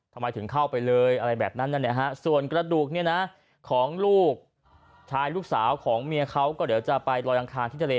ทำไมถึงเข้าไปเลยอะไรแบบนั้นนะฮะส่วนกระดูกเนี่ยนะของลูกชายลูกสาวของเมียเขาก็เดี๋ยวจะไปลอยอังคารที่ทะเล